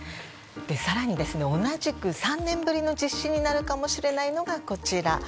更に同じく３年ぶりの実施になるかもしれないのが、こちら。